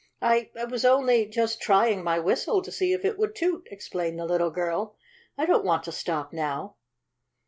"I I was only just trying my whistle to see if it would toot," explained the little girl. "I don't want to stop now."